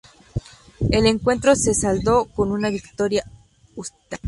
El encuentro se saldó con una victoria husita.